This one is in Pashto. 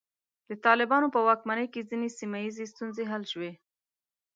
د طالبانو په واکمنۍ کې ځینې سیمه ییزې ستونزې حل شوې.